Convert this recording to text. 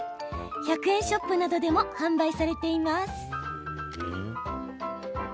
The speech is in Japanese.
１００円ショップなどでも販売されています。